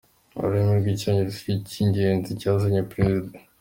Ururimi rw’Icyongereza si cyo cy’ingenzi cyazanye Perezida